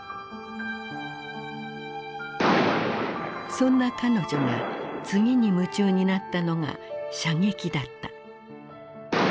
そんな彼女が次に夢中になったのが射撃だった。